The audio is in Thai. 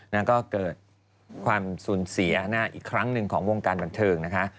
แล้วก็เกิดความสูญเสียอีกครั้งหนึ่งของวงการบันเทิงนะคะ